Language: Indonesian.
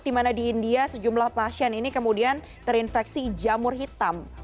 di mana di india sejumlah pasien ini kemudian terinfeksi jamur hitam